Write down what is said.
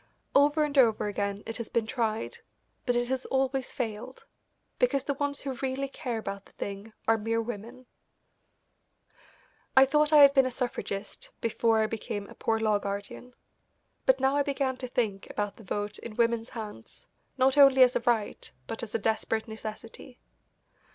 Over and over again it has been tried, but it has always failed, because the ones who really care about the thing are mere women. I thought I had been a suffragist before I became a Poor Law Guardian, but now I began to think about the vote in women's hands not only as a right but as a desperate necessity.